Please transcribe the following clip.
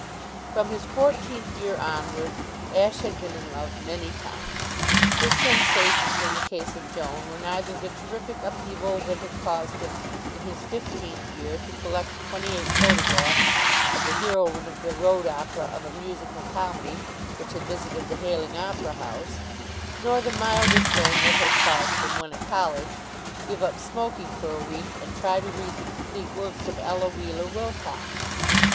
From his fourteenth year onward Ashe had been in love many times. His sensations in the case of Joan were neither the terrific upheaval that had caused him, in his fifteenth year, to collect twenty eight photographs of the heroine of the road company of a musical comedy which had visited the Hayling Opera House, nor the milder flame that had caused him, when at college, to give up smoking for a week and try to read the complete works of Ella Wheeler Wilcox.